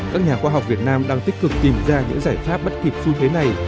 các nhà khoa học việt nam đang tích cực tìm ra những giải pháp bắt kịp xu thế này